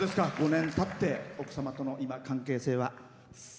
５年たって奥様との今、関係性は。